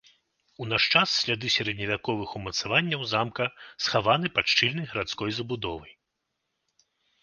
У наш час сляды сярэдневяковых умацаванняў замка схаваны пад шчыльнай гарадской забудовай.